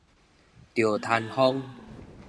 著癱風